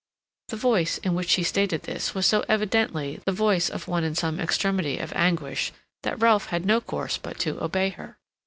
The voice in which she stated this was so evidently the voice of one in some extremity of anguish that Ralph had no course but to obey her.